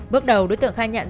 bước đầu đối tượng khai nhận